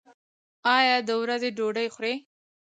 ایا د ورځې ډوډۍ خورئ؟